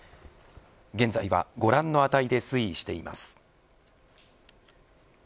現在はご覧の値で推移しています。